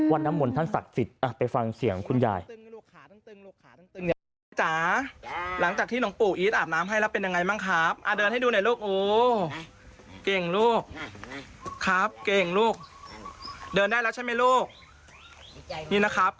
น้ำมนต์ท่านศักดิ์สิทธิ์ไปฟังเสียงคุณยาย